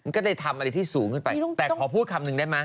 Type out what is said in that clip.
ก็ได้ทำอะไรที่สูงขึ้นไปแต่ขอพูดคำหนึ่งได้ไหม